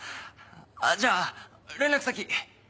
じゃあ連絡先。